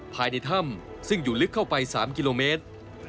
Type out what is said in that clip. ภายในถ้ำซึ่งอยู่ลึกเข้าไป๓กิโลเมตร